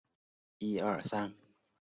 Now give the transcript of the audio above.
他也是斯特鲁米察区的区长。